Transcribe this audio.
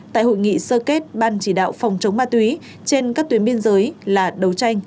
tại hội nghị sơ kết ban chỉ đạo phòng chống ma túy trên các tuyến biên giới là đấu tranh